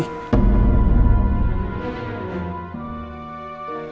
mendarah daging babi buta